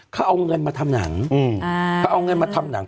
เขาเอาเงินมาทำหนัง